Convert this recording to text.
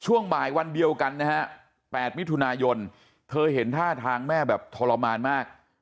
ช่วงบ่ายวันเดียวกันนะฮะ๘มิถุนายนเธอเห็นท่าทางแม่แบบทรมานมาก